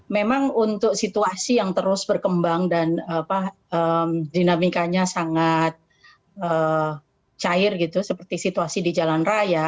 memang untuk situasi yang terus berkembang dan dinamikanya sangat cair gitu seperti situasi di jalan raya